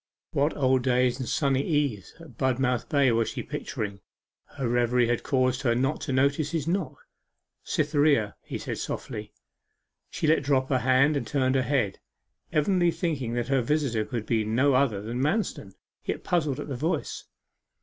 What old days and sunny eves at Budmouth Bay was she picturing? Her reverie had caused her not to notice his knock. 'Cytherea!' he said softly. She let drop her hand, and turned her head, evidently thinking that her visitor could be no other than Manston, yet puzzled at the voice.